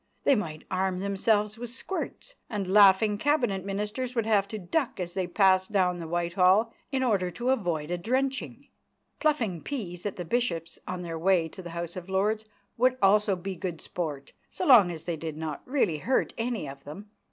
They might arm themselves with squirts, and laughing Cabinet ministers would have to duck as they passed down Whitehall in order to avoid a drenching. Pluffing peas at the bishops on their way to the House of Lords would also be good sport, so long as they did not really hurt any of them.